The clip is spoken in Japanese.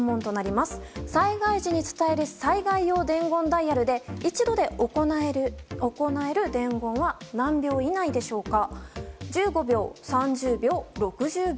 災害時に伝える災害用伝言ダイヤルで一度で行える伝言は何秒以内でしょうか。